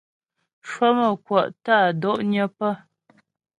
Cwəmə̌kwɔ' tə́ á do'nyə pə́.